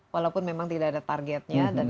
walaupun memang tidak ada targetnya